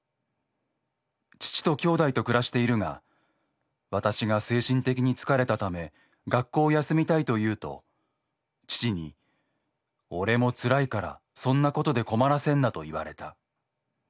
父ときょうだいと暮らしているが私が精神的に疲れたため学校を休みたいと言うと父に『俺も辛いからそんなことで困らせんな』と言われた。